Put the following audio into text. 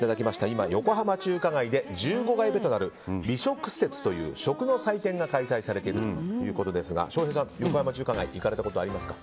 今、横浜中華街で１５回目となる美食節という食の祭典が開催されているということですが翔平さん、横浜中華街行かれたことありますか？